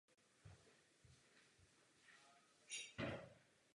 Odznak vyrábělo více německých firem.